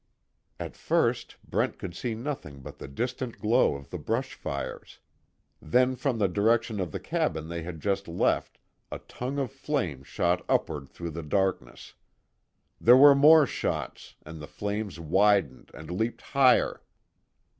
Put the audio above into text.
At first Brent could see nothing but the distant glow of the brush fires, then from the direction of the cabin they had just left a tongue of flame shot upward through the darkness. There were more shots, and the flames widened and leaped higher.